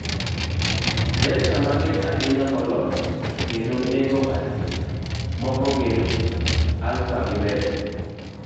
Delta mager ahinya moloyo, kendo neko ahinya, moko gin Alpha gi Beta